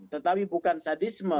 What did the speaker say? tetapi bukan sadisme